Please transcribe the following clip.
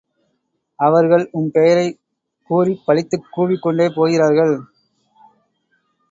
அவர்கள் உம்பெயரைக் கூறிப்பழித்துக் கூவிக்கொண்டே போகிறார்கள்.